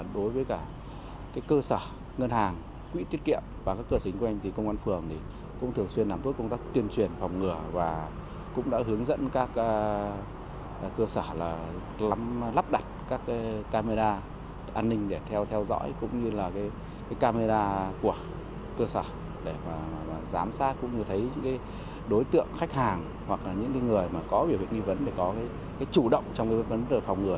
đối với cơ sở ngân hàng quỹ tiết kiệm và cơ sở chính của anh thì công an phường cũng thường xuyên làm bước công tác tuyên truyền phòng ngừa và cũng đã hướng dẫn các cơ sở lắp đặt các camera an ninh để theo dõi cũng như là camera của cơ sở để giám sát cũng như thấy đối tượng khách hàng hoặc là những người có việc nghi vấn để có chủ động trong việc vấn đề phòng ngừa